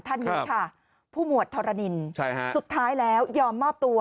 ท่านนี้ค่ะผู้หมวดธรณินสุดท้ายแล้วยอมมอบตัว